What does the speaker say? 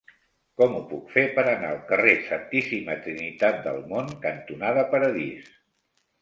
Com ho puc fer per anar al carrer Santíssima Trinitat del Mont cantonada Paradís?